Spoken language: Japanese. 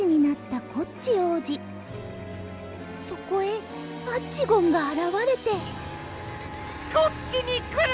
そこへアッチゴンがあらわれてこっちにくるな！